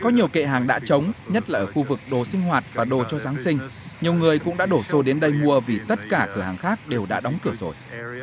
nhiều người cũng đã đổ xô đến đây mua vì tất cả cửa hàng khác đều đã đóng cửa rồi